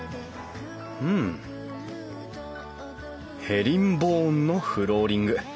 ヘリンボーンのフローリング。